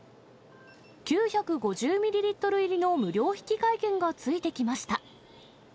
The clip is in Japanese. ９５０ミリリットル入りの無料引換券がついてきました。